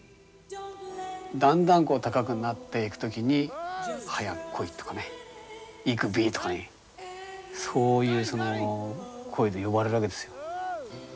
だんだんこう高くなっていく時に「早く来い」とかね「行くべ」とかねそういう声で呼ばれるわけですよ。